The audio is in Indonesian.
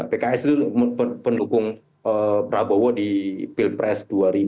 pks itu pendukung prabowo di pilpres dua ribu empat belas dua ribu sembilan belas